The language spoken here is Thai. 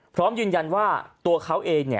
พร้อมยืนยันว่าตัวเขาเอง